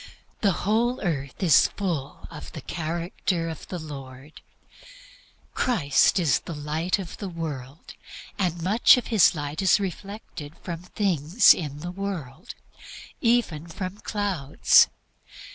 "The whole earth is full of the character of the Lord." Christ is the Light of the world, and much of his Light is reflected from things in the world even from clouds.